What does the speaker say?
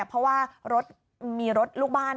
เพราะว่ารถมีรถลูกบ้าน